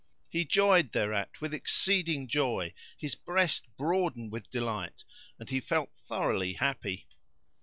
He joyed thereat with exceeding joy, his breast broadened[FN#83] with delight and he felt thoroughly happy.